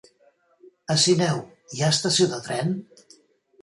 A Sineu hi ha estació de tren?